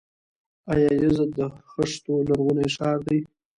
آیا یزد د خښتو لرغونی ښار نه دی؟